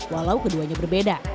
walau keduanya berbeda